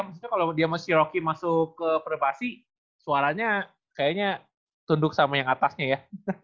maksudnya kalau dia masih rocky masuk ke prepasi suaranya kayaknya tunduk sama yang atasnya ya